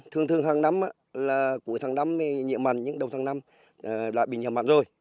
thường thường hàng năm là cuối tháng năm nhiễm mặn nhưng đầu tháng năm đã bị nhiễm mặn rồi